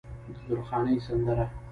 د درخانۍ سندره